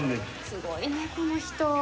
すごいねこの人。